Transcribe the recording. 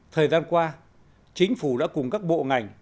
thời gian qua chính phủ đã cùng các bộ ngành